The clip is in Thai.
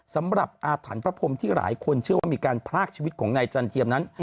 อาถรรพ์พระพรมที่หลายคนเชื่อว่ามีการพรากชีวิตของนายจันเทียมนั้น